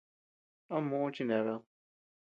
¿A muʼu chineabed?